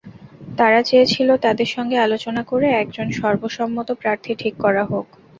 তারা চেয়েছিল তাদের সঙ্গে আলোচনা করে একজন সর্বসম্মত প্রার্থী ঠিক করা হোক।